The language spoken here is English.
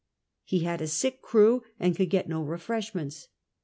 *' He had a sick crew and could get no refreshments.